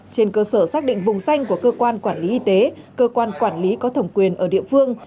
trên cơ sở xác định vùng xanh của cơ quan quản lý y tế cơ quan quản lý có thẩm quyền ở địa phương